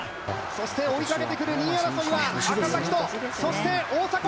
そして追いかけてくる２位争いは、赤崎とそして大迫。